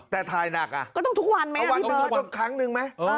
แต่ถ่ายหนักอ่ะก็ต้องทุกวันไหมอ่ะพี่เบิร์ดต้องทุกวันทุกครั้งนึงไหม